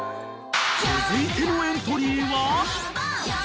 ［続いてのエントリーは］